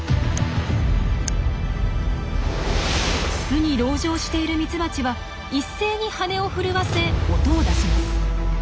巣に籠城しているミツバチは一斉に羽を震わせ音を出します。